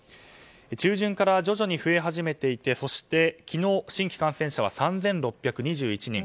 中旬から徐々に増え始めていて昨日、新規感染者は３６２１人。